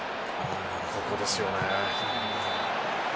ここですよね。